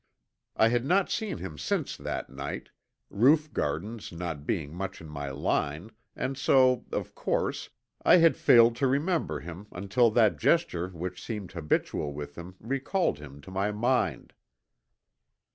I had not seen him since that night, roof gardens not being much in my line, and so, of course, I had failed to remember him until that gesture which seemed habitual with him recalled him to my mind.